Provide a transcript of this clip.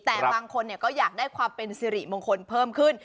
แต่บางคนก็อยากได้ความเป็นสิริมงคลเพิ่มขึ้น